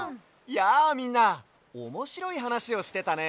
やあみんなおもしろいはなしをしてたね。